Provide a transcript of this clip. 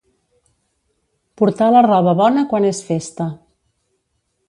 Portar la roba bona quan és festa.